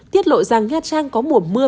tiết lộ rằng nha trang có mùa mưa